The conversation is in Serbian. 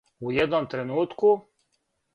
У једном тренутку?